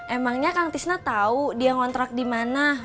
emangnya kang tisna tahu dia ngontrak di mana